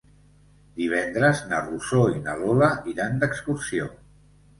Divendres na Rosó i na Lola iran d'excursió.